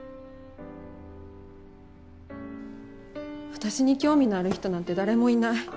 私に興味のある人なんて誰もいない。